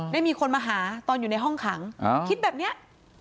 มีคนมาหาตอนอยู่ในห้องขังคิดแบบนี้